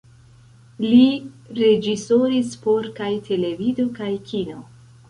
Li reĝisoris por kaj televido kaj kino.